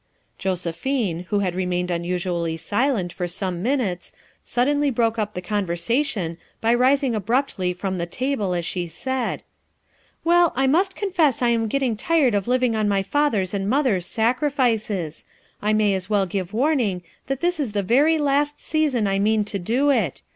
'' Josephine, who had remained unusually FOUR MOTHERS AT CHAUTAUQUA 51 silent for some minutes suddenly broke up the conversation by rising abruptly from the table as she said : "Well, I must confess I am getting tired of living on my father's and mother's sacrifices. I may as well give warning that this is the very last season I mean to do it.